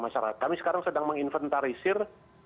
masyarakat kami sekarang sedang menginventarisir